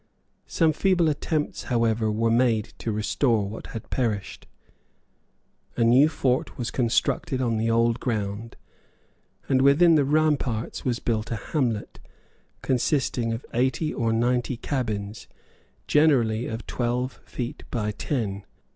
Some feeble attempts, however, were made to restore what had perished. A new fort was constructed on the old ground; and within the ramparts was built a hamlet, consisting of eighty or ninety cabins, generally of twelve feet by ten.